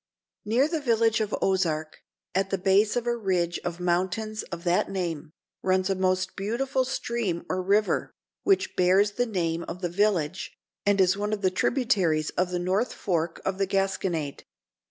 _ NEAR the village of Ozark, at the base of a ridge of mountains of that name, runs a most beautiful stream or river, which bears the name of the village, and is one of the tributaries of the north fork of the Gasconade.